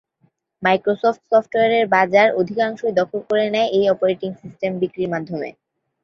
Microsoft সফটওয়্যারের বাজার অধিকাংশই দখল করে নেয় এই অপারেটিং সিস্টেম বিক্রির মাধ্যমে।